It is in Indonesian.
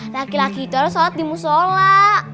laki laki itu soal dimusola